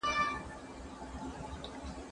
¬ چي زه او ته راضي، ښځه غيم د قاضي.